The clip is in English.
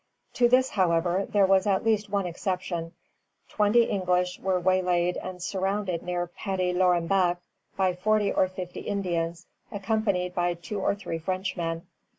To this, however, there was at least one exception. Twenty English were waylaid and surrounded near Petit Lorembec by forty or fifty Indians, accompanied by two or three Frenchmen.